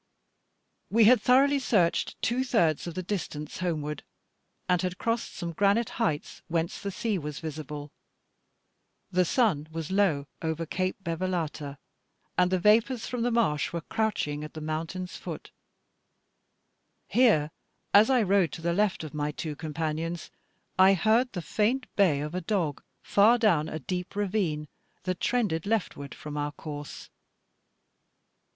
We had thoroughly searched two thirds of the distance homeward, and had crossed some granite heights whence the sea was visible; the sun was low over Cape Bevellata, and the vapours from the marsh were crouching at the mountain's foot. Here as I rode to the left of my two companions, I heard the faint bay of a dog far down a deep ravine, that trended leftward from our course.